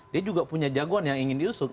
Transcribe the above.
dia juga punya jagoan yang ingin diusung